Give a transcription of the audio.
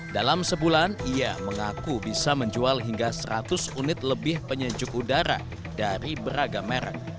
dalam sebulan ia mengaku bisa menjual hingga seratus unit lebih penyejuk udara dari beragam merek